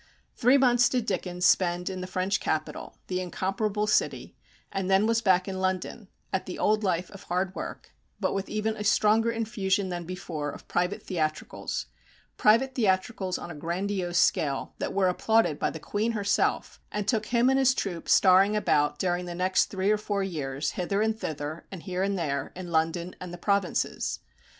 Three months did Dickens spend in the French capital, the incomparable city, and then was back in London, at the old life of hard work; but with even a stronger infusion than before of private theatricals private theatricals on a grandiose scale, that were applauded by the Queen herself, and took him and his troupe starring about during the next three or four years, hither and thither, and here and there, in London and the provinces.